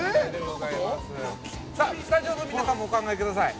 スタジオの皆さんもお考えください。